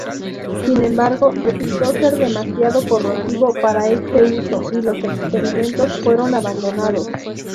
Sin embargo, resultó ser demasiado corrosivo para este uso, y los experimentos fueron abandonados.